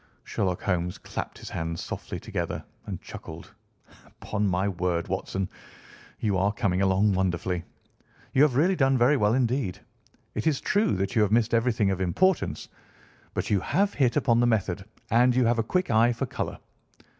Sherlock Holmes clapped his hands softly together and chuckled. "'Pon my word, Watson, you are coming along wonderfully. You have really done very well indeed. It is true that you have missed everything of importance, but you have hit upon the method, and you have a quick eye for colour.